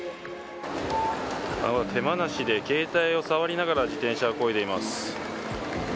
手放しで携帯を触りながら自転車をこいでいます。